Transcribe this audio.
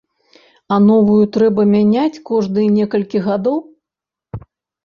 А новую трэба мяняць кожныя некалькі гадоў?